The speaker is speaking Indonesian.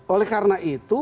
oleh karena itu